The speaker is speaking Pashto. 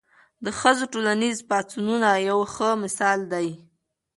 د ښځو ټولنیز پاڅونونه یو ښه مثال دی.